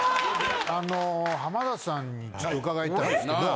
あの浜田さんにちょっと伺いたいんですけど。